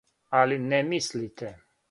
Али не мислите.